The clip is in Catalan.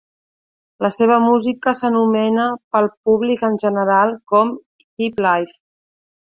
La seva música s'anomena pel públic en general com hiplife.